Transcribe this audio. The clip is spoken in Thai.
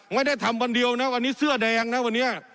ไม่ได้ทำวันเดียวนะวันนี้เสื้อแดงนะวันนี้